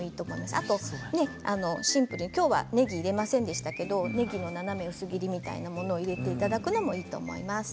あと、シンプルにきょうはねぎを入れませんでしたがねぎの斜め薄切りみたいなものを入れていただくのもいいと思います。